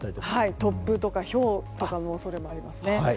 突風とかひょうの恐れもありますね。